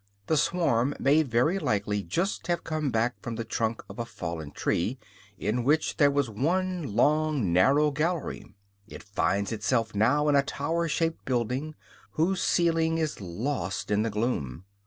The swarm may very likely just have come from the trunk of a fallen tree, in which there was one long, narrow gallery; it finds itself now in a tower shaped building, whose ceiling is lost in the gloom.